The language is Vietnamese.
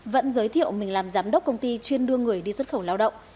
vẫn giới thiệu mình làm giám đốc công ty chuyên đưa người đi xuất khẩu lao động